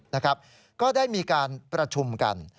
นะครับก็ได้มีการประชุมกัน